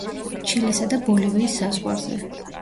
ჩილესა და ბოლივიის საზღვარზე.